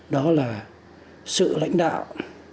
đó là sự lãnh đạo